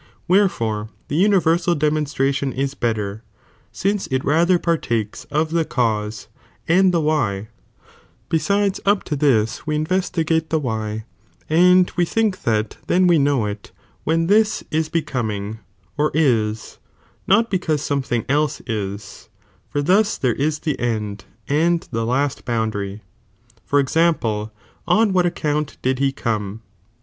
Wherefore the (universal) demonstra /^"in^^iJ'irtli tion is better, since it rather partakes of the cause pinpeiiy i> pr and the why, besides up to this we investigate the ""'"'""'"■ why, and we think that then we know it, when this is be coming, or is, not because something else (is), for thus there is tbe end and the last boundary. For example, on what ac count did he come